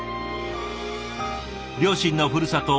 両親のふるさと